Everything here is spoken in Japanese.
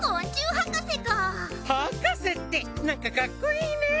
博士ってなんかかっこいいね！